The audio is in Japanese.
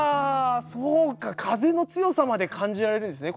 そうか風の強さまで感じられるんですね